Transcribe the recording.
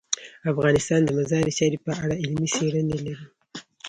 افغانستان د مزارشریف په اړه علمي څېړنې لري.